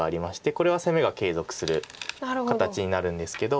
これは攻めが継続する形になるんですけど。